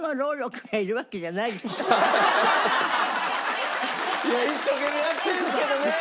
いや一生懸命やってるんですけどね！